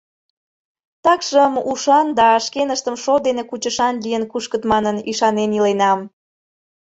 Такшым ушан да шкеныштым шот дене кучышан лийын кушкыт манын, ӱшанен иленам.